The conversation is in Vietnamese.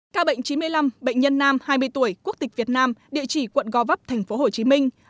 ca bệnh chín mươi năm bệnh nhân nam hai mươi tuổi quốc tịch việt nam địa chỉ quận gò vấp thành phố hồ chí minh